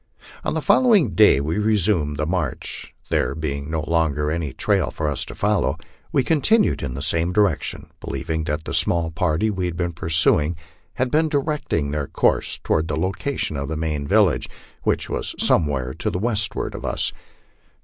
On the following day we resumed the march. There being no longer any trail for us to follow, we continued in the same direction, believing that the small party we had been pursuing had been directing their course toward the location of the main village, which was somewhere to the westward of us.